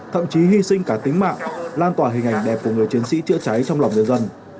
thậm chí hy sinh cả tính mạng lan tỏa hình ảnh đẹp của người chiến sĩ chữa cháy trong lòng nhân dân